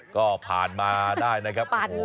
ก็ผ่านมาได้นะครับ